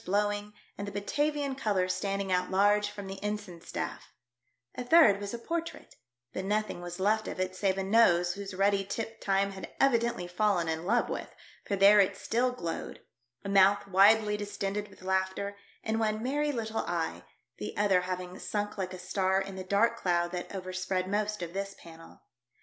l6l blowing, and the Batavlan colours standing out large from the ensign staff ; a third was a portrait, but nothing was left of it save a nose whose ruddy tip time had evidently fallen in love with, for there it still glowed ; a mouth widely distended with laughter, and one merry little eye, the other having sunk like a star in the dark cloud that overspread most of this panel.